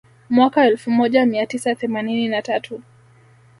Mwaka elfu moja mia tisa themanini na tatu